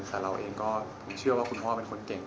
แต่เราเองก็เชื่อว่าคุณพ่อเป็นคนเก่ง